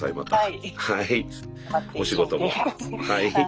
はい。